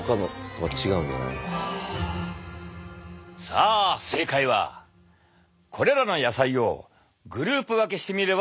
さあ正解はこれらの野菜をグループ分けしてみれば分かる。